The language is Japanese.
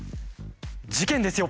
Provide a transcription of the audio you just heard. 事件ですよ。